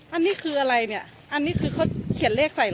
อันนี้คืออะไรเนี่ยอันนี้คือเขาเขียนเลขใส่เหรอ